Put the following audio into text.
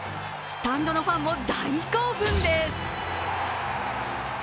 スタンドのファンも大興奮です。